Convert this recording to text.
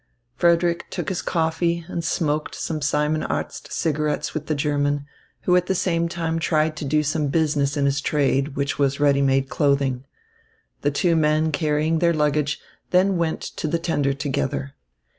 Frederick took his coffee and smoked some Simon Arzt cigarettes with the German, who at the same time tried to do some business in his trade, which was ready made clothing. The two men, carrying their luggage, then went to the tender together.